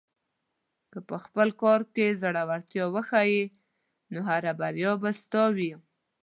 که په خپل کار کې زړۀ ورتیا وښیې، نو هره بریا به ستا وي.